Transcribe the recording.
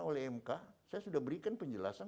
oleh mk saya sudah berikan penjelasan